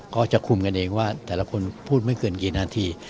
ก็จะคุมกันเองว่าแต่ละคนพูดไม่เกินกี่นาที